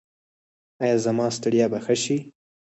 ایا زما ستړیا به ښه شي؟